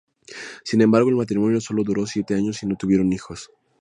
Sin embargo el matrimonio sólo duró siete años y no tuvieron hijos.